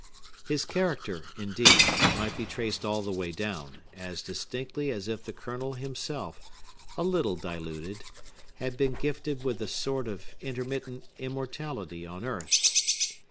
His character, indeed, might be traced all the way down, as distinctly as if the Colonel himself, a little diluted, had been gifted with a sort of intermittent immortality on earth.